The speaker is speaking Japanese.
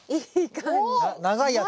長いやつ。